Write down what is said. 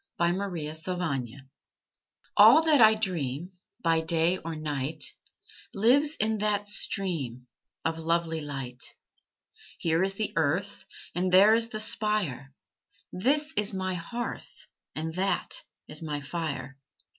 SUNSET ON THE SPIRE All that I dream By day or night Lives in that stream Of lovely light. Here is the earth, And there is the spire; This is my hearth, And that is my fire.